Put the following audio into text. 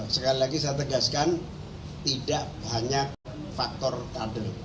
sekali lagi saya tegaskan tidak hanya faktor kader